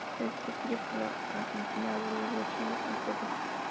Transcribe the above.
Se distribuye por la Argentina, Bolivia, Chile y Perú.